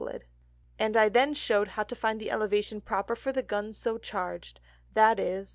_ And I then shew'd how to find the Elevation proper for the Gun so charged, _viz.